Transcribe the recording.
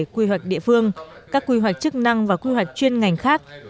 quy hoạch địa phương các quy hoạch chức năng và quy hoạch chuyên ngành khác